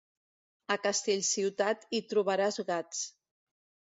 A Castellciutat, hi trobaràs gats.